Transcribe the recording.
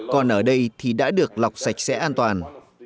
còn ở đây thì đã được lọc sạch sẽ an toàn